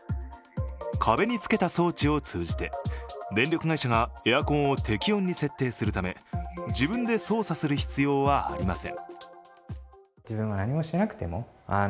壁につけた装置を通じて、電力会社がエアコンを適温に設定するため、自分で操作する必要はありません。